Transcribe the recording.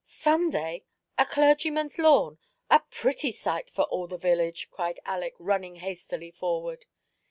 " Sunday — a clergyman's lawn — a pretty sight for all the village !" cried Aleck, running hastily forward.